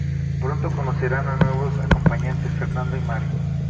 Pronto conocerán a nuevos acompañantes: Fernando y Mary.